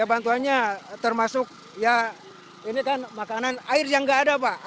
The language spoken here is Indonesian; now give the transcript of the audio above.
ya bantuannya termasuk ya ini kan makanan air yang nggak ada pak